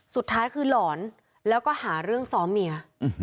สุดท้ายคือหลอนแล้วก็หาเรื่องซ้อมเมีย